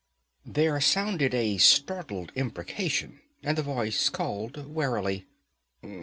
There sounded a startled imprecation, and the voice called warily.